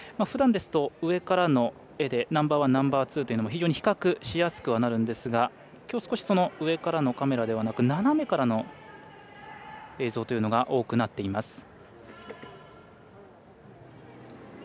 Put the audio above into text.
ふだんですと上からの画でナンバーワンナンバーツーというのも非常に比較しやすくもなるんですがきょうは上からのカメラではなく斜めからの映像というのが多くなっています。